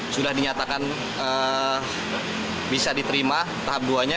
sudah dinyatakan bisa diterima tahap dua nya